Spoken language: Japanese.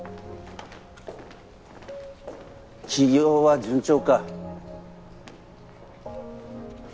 起業は順調か？